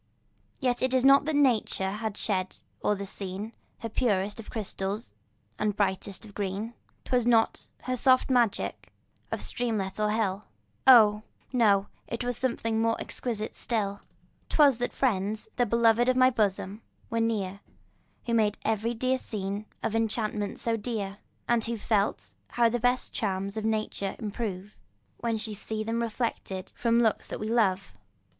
Yet it was not that nature had shed o'er the scene Her purest of crystal and brightest of green; 'Twas not her soft magic of streamlet or hill, Oh! no—it was something more exquisite still. 'Twas that friends, the beloved of my bosom, were near, Who made every dear scene of enchantment more dear, And who felt how the best charms of nature improve, When we see them reflected from looks that we love.